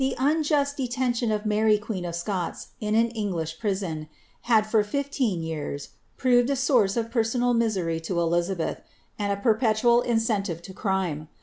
ri unjust detention of Mary, Queen of Scots, in an English prison, or fifteen years proved a source of personal misery to Elizabeth, perpetual incentive to crime.